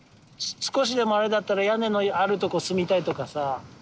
少しでもあれだったら屋根のあるとこ住みたいとかさ。